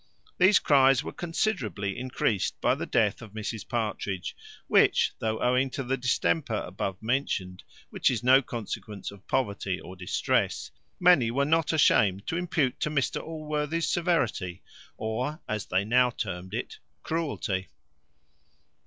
These cries were considerably increased by the death of Mrs Partridge, which, though owing to the distemper above mentioned, which is no consequence of poverty or distress, many were not ashamed to impute to Mr Allworthy's severity, or, as they now termed it, cruelty.